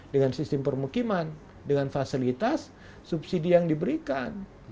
dengan sistem permukiman dengan fasilitas subsidi yang diberikan